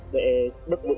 để đất bụng trên con đường